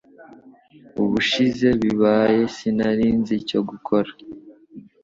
Ubushize bibaye sinari nzi icyo gukora